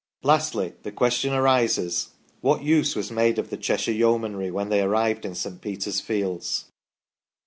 Lastly, the question arises : What use was made of the Cheshire Yeomanry when they arrived in St. Peter's fields